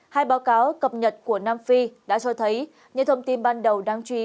hai báo cáo cập nhật của nam phi đã cho thấy những thông tin ban đầu đáng chú ý